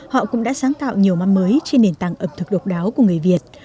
họ cũng đã sáng tạo nhiều mắm mới trên nền tảng ẩm thực độc đáo của người việt